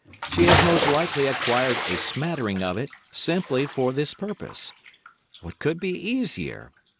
She has most likely acquired a smattering of it, simply for this purpose. What could be easier?